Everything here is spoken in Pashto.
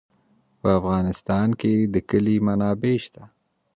په افغانستان کې د کلي منابع شته.